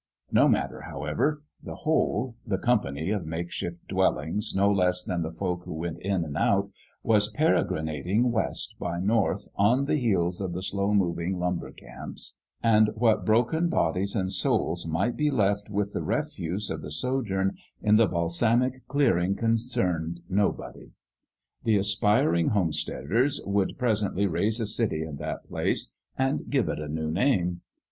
No matter, however : the whole the company of makeshift dwellings no less than the folk who went in and out was peregrinating west by north on the heels of the slow moving lumber camps ; and what broken bodies and souls might be left with the refuse of the sojourn in the balsamic clearing concerned nobody. The aspiring homesteaders would presently raise a city in that place and give it a new name.